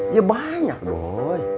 ya banyak doi